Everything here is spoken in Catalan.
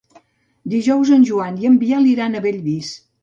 Dijous en Joan i en Biel iran a Bellvís.